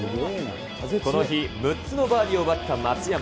この日、６つのバーディーを奪った松山。